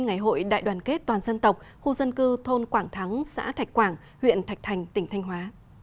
ngày hội đại đoàn kết toàn dân tộc khu dân cư thôn quảng thắng xã thạch quảng huyện thạch thành tỉnh thanh hóa